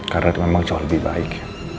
karena itu memang jauh lebih baik